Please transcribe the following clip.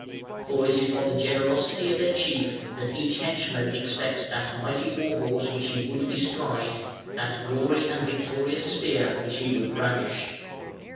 For it is from the generosity of their chief that each henchman expects that mighty war horse which he would bestride, that gory and victorious spear, which he would brandish.